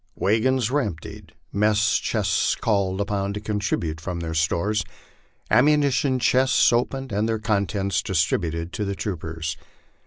Wagons were emptied, mess chests called upon to contribute from their stores, ammunition chests opened and their contents distributed to the troopers.